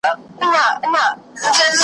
موږ او تاسي هم مرغان یو هم خپلوان یو .